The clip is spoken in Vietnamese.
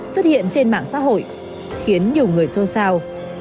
xuất hiện trên mạng xã hội khiến nhiều người xô sao